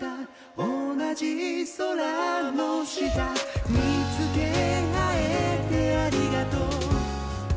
「同じ空の下見つけあえてありがとう」